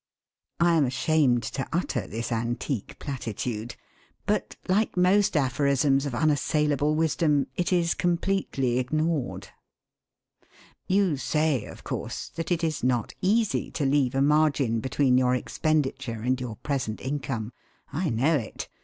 I am ashamed to utter this antique platitude. But, like most aphorisms of unassailable wisdom, it is completely ignored. You say, of course, that it is not easy to leave a margin between your expenditure and your present income. I know it.